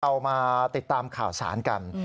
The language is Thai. เอามาติดตามข่าวสารกัน